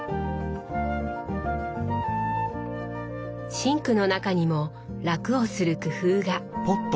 シンクの中にも楽をする工夫が。